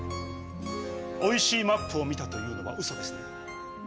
「おいしいマップ」を見たというのはうそですね？